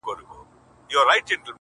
موږه يې ښه وايو پر موږه خو ډير گران دی ~